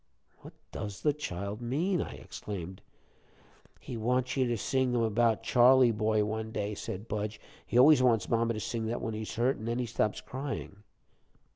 '" "What does the child mean?" I exclaimed. "He wants you to sing to him about 'Charley boy one day,'" said Budge. "He always wants mama to sing that when he's hurt, an' then he stops crying."